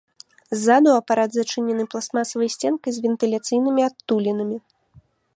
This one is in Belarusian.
Ззаду апарат зачынены пластмасавай сценкай з вентыляцыйнымі адтулінамі.